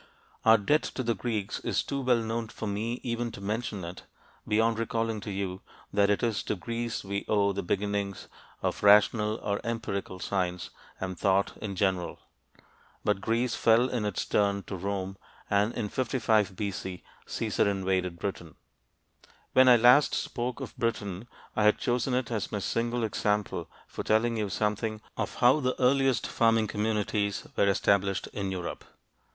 Our debt to the Greeks is too well known for me even to mention it, beyond recalling to you that it is to Greece we owe the beginnings of rational or empirical science and thought in general. But Greece fell in its turn to Rome, and in 55 B.C. Caesar invaded Britain. I last spoke of Britain on page 142; I had chosen it as my single example for telling you something of how the earliest farming communities were established in Europe.